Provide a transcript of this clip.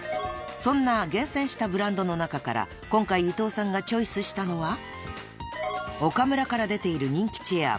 ［そんな厳選したブランドの中から今回伊藤さんがチョイスしたのはオカムラから出ている人気チェアＢａｒｏｎ］